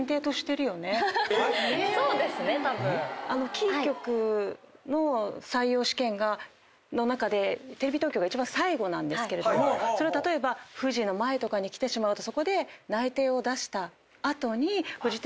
キー局の採用試験の中でテレビ東京が一番最後なんですけどそれを例えばフジの前とかに来てしまうと。